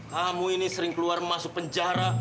kamu ini sering keluar masuk penjara